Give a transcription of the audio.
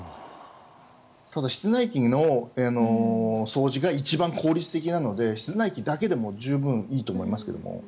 ただ、室内機の掃除が一番効率的なので室内機だけでも十分いいと思いますけども。